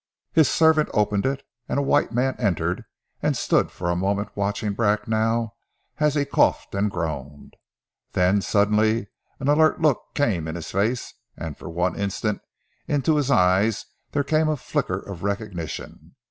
His servant opened it, and a white man entered, and stood for a moment watching Bracknell as he coughed and groaned. Then suddenly an alert look came in his face and for one instant into his eyes there came a flicker of recognition.